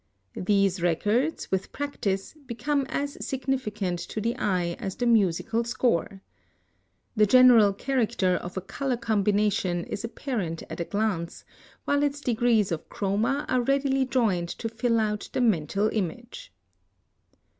These records, with practice, become as significant to the eye as the musical score. The general character of a color combination is apparent at a glance, while its degrees of chroma are readily joined to fill out the mental image.